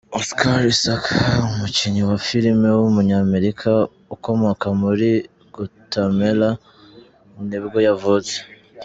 Oscar Isaac, umukinnyi wa filime w’umunyamerika ukomoka muri Guatemala nibwo yavutse.